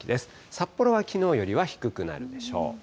札幌はきのうよりは低くなるでしょう。